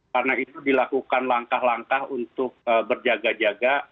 karena itu dilakukan langkah langkah untuk berjaga jaga